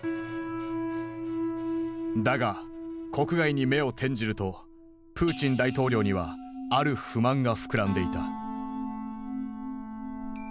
だが国外に目を転じるとプーチン大統領にはある不満が膨らんでいた。